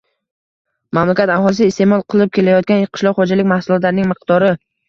Mamlakat aholisi iste’mol qilib kelayotgan qishloq xo‘jalik mahsulotlarining miqdori